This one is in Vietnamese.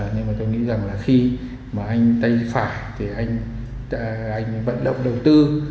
nhưng mà tôi nghĩ rằng là khi mà anh tay phải thì anh vận động đầu tư